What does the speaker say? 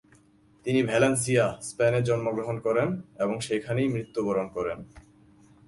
তিনি ভ্যালেন্সিয়া, স্পেনে জন্মগ্রহণ করেন এবং সেখানেই মৃত্যুবরণ করেন।